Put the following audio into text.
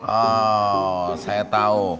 oh saya tahu